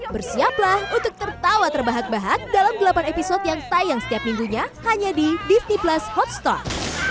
bersiaplah untuk tertawa terbahak bahak dalam delapan episode yang tayang setiap minggunya hanya di disney plus hotstar